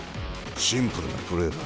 シンプルなプレーだ。